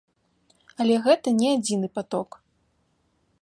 Але гэта не адзіны паток.